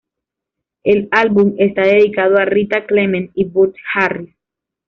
El álbum está dedicado a Rita Clement y Burt Harris.